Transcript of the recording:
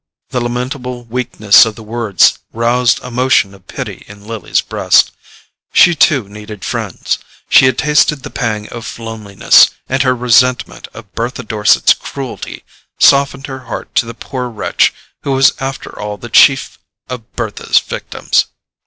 The lamentable weakness of the words roused a motion of pity in Lily's breast. She too needed friends—she had tasted the pang of loneliness; and her resentment of Bertha Dorset's cruelty softened her heart to the poor wretch who was after all the chief of Bertha's victims.